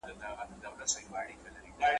که تعویذ د چا مشکل آسانولای ,